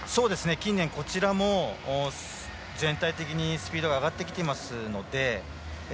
近年こちらも全体的にスピードが上がってきていますので。